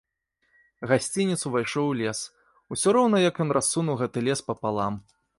Гасцінец увайшоў у лес, усё роўна як ён рассунуў гэты лес папалам.